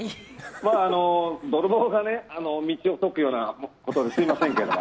泥棒が道を説くようなことですみませんけれども。